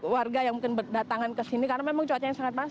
untuk warga yang mungkin berdatangan kesini karena memang cuacanya sangat panas